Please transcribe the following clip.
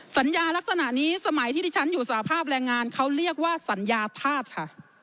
สัญญาลักษณะนี้สมัยที่ที่ฉันอยู่สภาพแรงงานเขาเรียกว่าสัญญาธาตุค่ะ